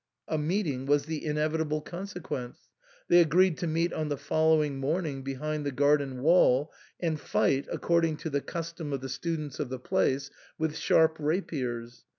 A meeting was the inevitable consequence. They agreed to meet on the following morning behind the garden wall, and fight, according to the custom of the students of the place, with sharp rapiers.